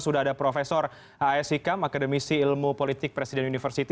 sudah ada profesor a s hikam akademisi ilmu politik presiden universiti